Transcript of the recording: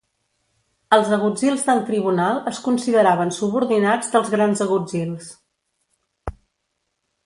Els agutzils del tribunal es consideraven subordinats dels grans agutzils.